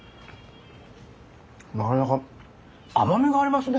なかなか甘みがありますね。